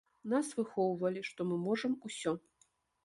Нас выхоўвалі, што мы можам усё.